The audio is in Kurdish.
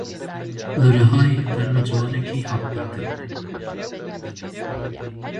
Li Rihayê termê ciwanekî hat dîtin.